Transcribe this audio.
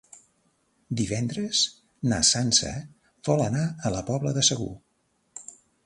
Divendres na Sança vol anar a la Pobla de Segur.